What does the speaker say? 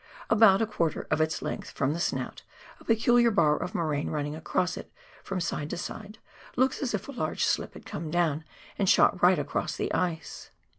About a quarter of its length from the snout a peculiar bar of moraine running across it from side to side looks as if a large slip had come down and shot right across the ioe.